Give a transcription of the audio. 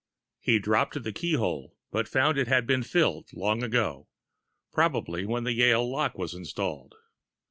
He dropped to the keyhole, but found it had been filled long ago, probably when the Yale lock was installed.